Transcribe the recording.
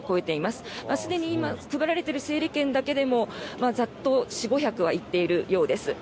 すでに今、配られている整理券だけでもざっと４００５００はいっているようです。